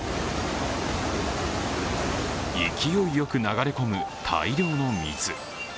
勢いよく流れ込む大量の水。